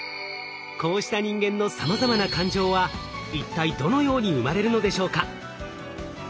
こうした人間のさまざまな感情は一体どのように生まれるのでしょうか？